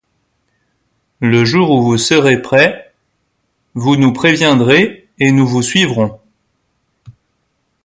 Le jour où vous serez prêt, vous nous préviendrez et nous vous suivrons.